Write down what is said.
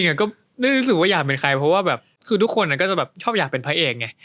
ก็ไม่รู้สึกว่าอยากเป็นใครเพราะว่าแบบคือทุกคนก็จะแบบชอบอยากเป็นพระเอกไง